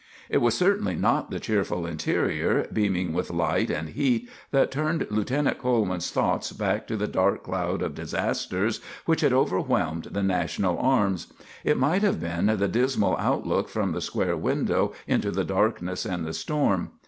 It was certainly not the cheerful interior, beaming with light and heat, that turned Lieutenant Coleman's thoughts back to the dark cloud of disasters which had overwhelmed the National arms; it might have been the dismal outlook from the square window into the darkness and the storm.